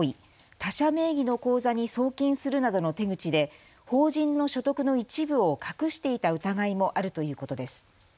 他社名義の口座に送金するなどの手口で法人の所得の一部を隠していた疑いもあるということです。